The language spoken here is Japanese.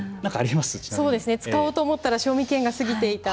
使おうと思ったら賞味期限が過ぎていた。